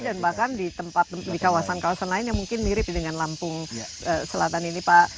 dan bahkan di kawasan kawasan lain yang mungkin mirip dengan lampung selatan ini